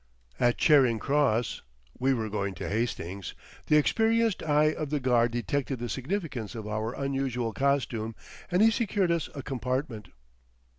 At Charing Cross—we were going to Hastings—the experienced eye of the guard detected the significance of our unusual costume and he secured us a compartment.